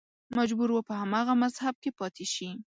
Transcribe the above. مجبور و په هماغه مذهب کې پاتې شي